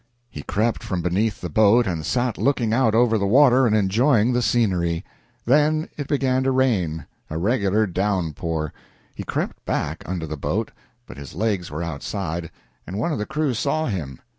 He crept from beneath the boat and sat looking out over the water and enjoying the scenery. Then it began to rain a regular downpour. He crept back under the boat, but his legs were outside, and one of the crew saw him.